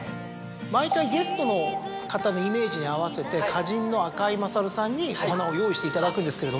毎回ゲストの方のイメージに合わせて花人の赤井勝さんにお花を用意していただくんですけれども。